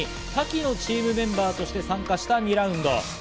ＴＡＫＩをチームメンバーとして参加した２ラウンド。